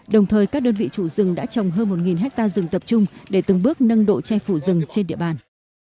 đồng thời các đơn vị chủ rừng đã trồng hơn một hectare rừng tập trung để từng bước nâng độ che phủ rừng trên địa bàn